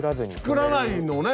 作らないのね。